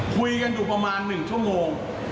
คุยกันอยู่ประมาณ๑ชั่วโมง